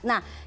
nah kita tahu